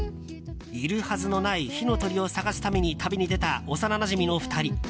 いるはずのない火の鳥を探す旅に出たおさななじみの２人。